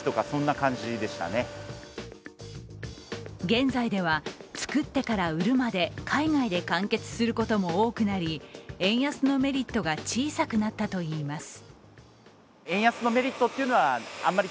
現在では、作ってから売るまで海外で完結することも多くなり円安のメリットが小さくなったといいます。